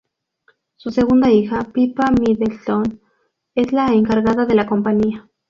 Su segunda hija, Pippa Middleton, es la encargada de la compañía.